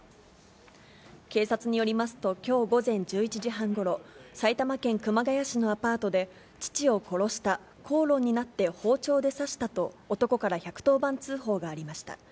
警察によりますときょう午前１１時半ごろ、埼玉県熊谷市のアパートで、父を殺した、口論になって包丁で刺したと、男から１１０番通報がありました。